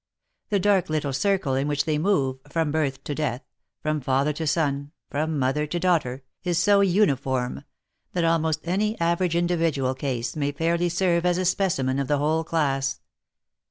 The dark little circle in which they move from birth to death, from father to son, from mother to daughter, is so uniform, that almost any ave rage individual case may fairly serve as a specimen of the whole class.